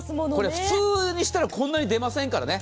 普通にしたらこんなに出ませんからね。